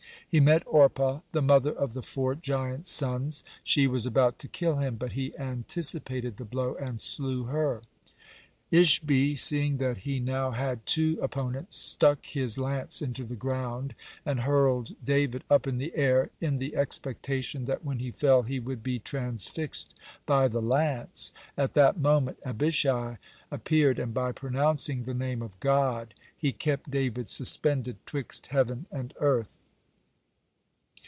He met Orpah, the mother of the four giant sons. She was about to kill him, but he anticipated the blow and slew her. Ishbi, seeing that he now had two opponents, stuck his lance into the ground, and hurled David up in the air, in the expectation that when he fell he would be transfixed by the lance. At that moment Abishai appeared, and by pronouncing the Name of God he kept David suspended 'twixt heaven and earth.